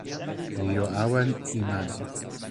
mi jo awen e mani.